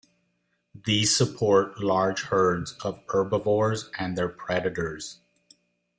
These support large herds of herbivores and their predators.